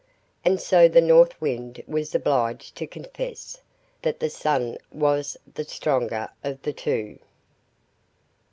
And so the North Wind was obliged to confess that the Sun was the stronger of the two.